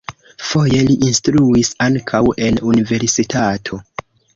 Foje li instruis ankaŭ en universitato.